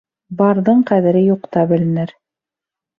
Барҙың ҡәҙере юҡта беленер.